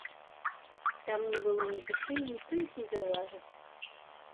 Там не было ні душы, і ніхто іх не заўважыў.